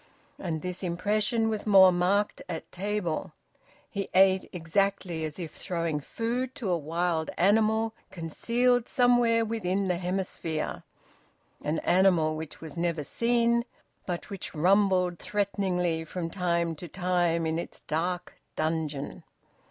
And this impression was more marked at table; he ate exactly as if throwing food to a wild animal concealed somewhere within the hemisphere, an animal which was never seen, but which rumbled threateningly from time to time in its dark dungeon.